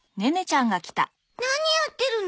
何やってるの？